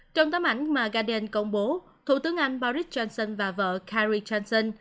trong tấm ảnh mà guardian công bố thủ tướng anh boris johnson và vợ carrie johnson